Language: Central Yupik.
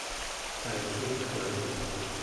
taipiiqnaku